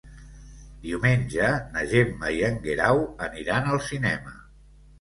Diumenge na Gemma i en Guerau aniran al cinema.